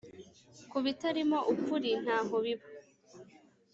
ku bitarimo ukuri ntaho biba